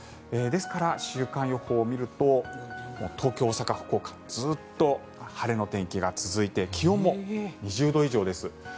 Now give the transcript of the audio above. ですから週間予報を見ると東京、大阪、福岡ずっと晴れの天気が続いて気温も２０度以上です。